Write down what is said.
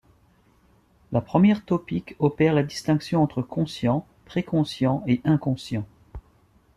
La première topique opère la distinction entre conscient, préconscient et inconscient.